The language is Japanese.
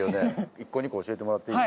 １個２個教えてもらっていい？